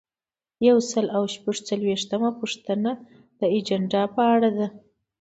یو سل او شپږ څلویښتمه پوښتنه د اجنډا په اړه ده.